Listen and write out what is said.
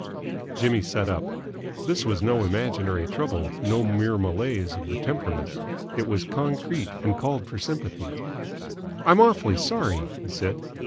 Jimmy sat up. This was no imaginary trouble, no mere malaise of the temperament. It was concrete, and called for sympathy. "I'm awfully sorry," he said.